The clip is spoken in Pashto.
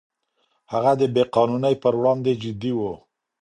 هغه د بې قانونۍ پر وړاندې جدي و.